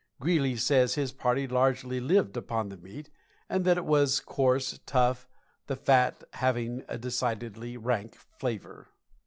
Greely says his party largely lived upon the meat, and that it was coarse, tough, the fat having a decidedly rank flavor.